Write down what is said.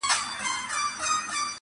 او فضا غمجنه ښکاري ډېر،